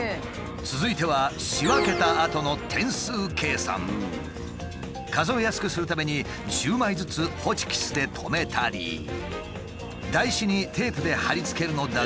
続いては仕分けたあとの数えやすくするために１０枚ずつホチキスで留めたり台紙にテープで貼り付けるのだが。